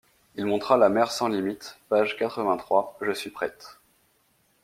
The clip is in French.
Il montra la mer sans limites. Page quatre-vingt-trois. — Je suis prête !